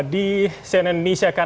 di cnn indonesia kemarin